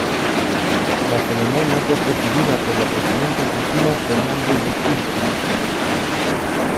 La ceremonia fue presidida por la Presidenta Cristina Fernández de Kirchner.